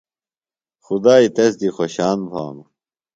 خُدائی تس دی خوشان بھانوۡ۔